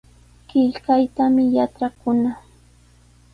Qillqaytami yatrakunaa.